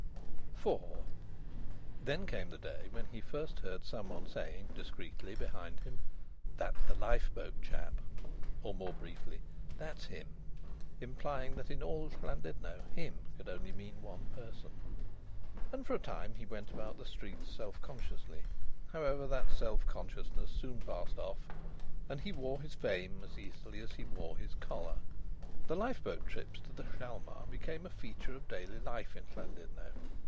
IV Then came the day when he first heard some one saying discreetly behind him: "That's the lifeboat chap!" Or more briefly: "That's him!" Implying that in all Llandudno "him" could mean only one person. And for a time he went about the streets self consciously. However, that self consciousness soon passed off, and he wore his fame as easily as he wore his collar. The lifeboat trips to the Hjalmar became a feature of daily life in Llandudno.